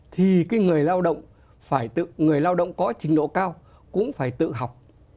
thì cái người lao động phải tự người lao động có trình độ cao cũng phải tự học